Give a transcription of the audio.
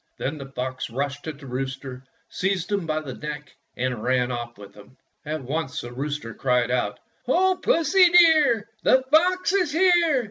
Then the fox rushed at the rooster, seized him by the neck, and ran oflF with him. At once the rooster cried out: — "O Pussy, dear, The fox is here